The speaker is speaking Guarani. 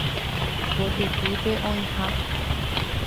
Kotypýpe oĩha.